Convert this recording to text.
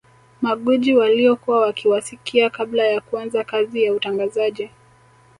Magwiji waliokuwa wakiwasikia kabla ya kuanza kazi ya utangazaji